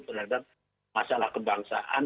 terhadap masalah kebangsaan